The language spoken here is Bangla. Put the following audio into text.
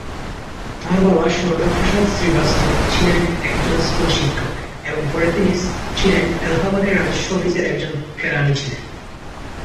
তার বাবা সারদা প্রসাদ শ্রীবাস্তব ছিলেন একজন স্কুল শিক্ষক এবং পরে তিনি ছিলেন এলাহাবাদের রাজস্ব অফিসের একজন কেরানি ছিলেন।